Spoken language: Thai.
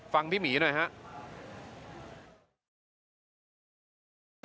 ฟังพี่หมีหน่อยครับ